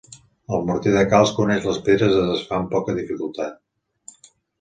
El morter de calç que uneix les pedres es desfà amb poca dificultat.